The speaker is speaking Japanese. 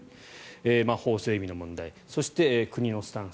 法整備の問題そして、国のスタンス。